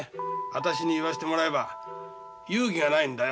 私に言わせてもらえば勇気がないんだよ。